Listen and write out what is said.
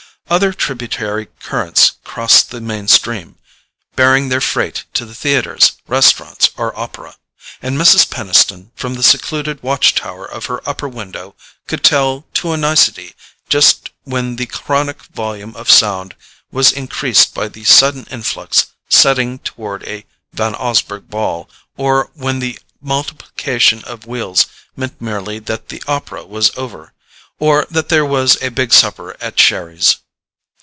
Other tributary currents crossed the mainstream, bearing their freight to the theatres, restaurants or opera; and Mrs. Peniston, from the secluded watch tower of her upper window, could tell to a nicety just when the chronic volume of sound was increased by the sudden influx setting toward a Van Osburgh ball, or when the multiplication of wheels meant merely that the opera was over, or that there was a big supper at Sherry's.